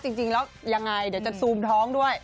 จริงแล้วยังไงเดี๋ยวจะซูมท้องด้วย